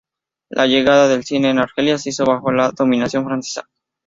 La llegada del cine en Argelia se hizo bajo la dominación francesa.